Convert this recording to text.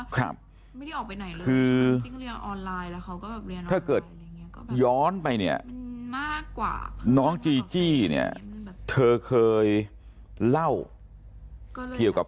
คือถ้าเกิดย้อนไปนี่น้องจีเธอเคยเล่าเกี่ยวกับ